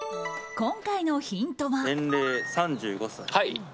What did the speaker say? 今回のヒントは。